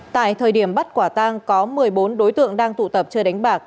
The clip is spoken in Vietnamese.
tại thời điểm bắt quả tang có một mươi bốn đối tượng đang tụ tập chơi đánh bạc